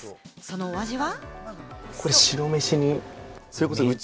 そのお味は。